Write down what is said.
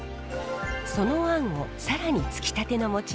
そのあんを更につきたての餅でくるみます。